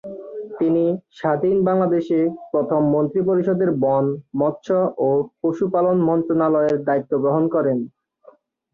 তিনি স্বাধীন বাংলাদেশে প্রথম মন্ত্রী পরিষদের বন, মৎস্য ও পশু পালন মন্ত্রনালয়ের দায়িত্ব গ্রহণ করেন।